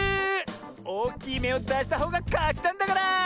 おおきいめをだしたほうがかちなんだから。